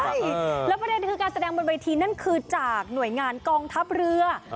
ใช่แล้วประเด็นคือการแสดงบนเวทีนั่นคือจากหน่วยงานกองทัพเรือ